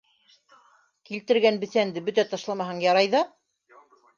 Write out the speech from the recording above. Килтергән бесәнде бөтә ташламаһаң ярай ҙа!